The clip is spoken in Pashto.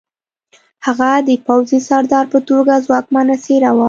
هغه د پوځي سردار په توګه ځواکمنه څېره وه